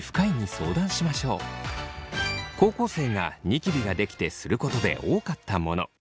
高校生がニキビができてすることで多かったもの。